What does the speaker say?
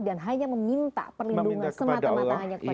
dan hanya meminta perlindungan semata mata hanya kepada allah